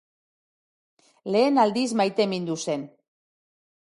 Lehen aldiz maitemindu zen.